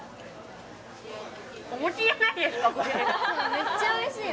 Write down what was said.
めっちゃおいしいよね。